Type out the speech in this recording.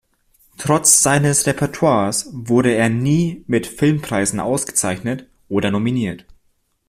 Trotz seines Repertoires wurde er nie mit Filmpreisen ausgezeichnet oder nominiert.